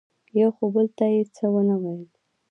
خو یو بل ته یې څه ونه ویل.